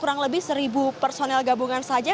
kurang lebih satu personil gabungan saja